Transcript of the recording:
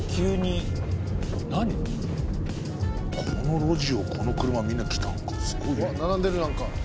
この路地をこの車みんな来たのか。